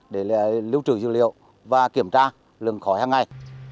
để lưu trừ dữ liệu và kiểm tra lương khói hàng ngày